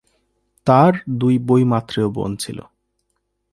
তাঁর দুই বৈমাত্রেয় বোন ছিল।